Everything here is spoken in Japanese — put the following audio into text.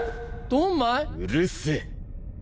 うるせぇ！